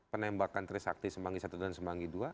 penembakan trisakti sembangi satu dan sembangi dua